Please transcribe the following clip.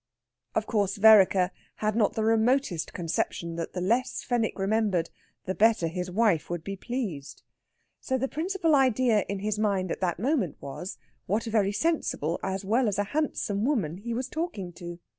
Of course, Vereker had not the remotest conception that the less Fenwick remembered, the better his wife would be pleased. So the principal idea in his mind at that moment was, what a very sensible as well as handsome woman he was talking to!